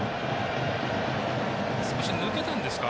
少し抜けたんですか。